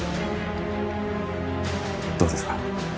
どうですか？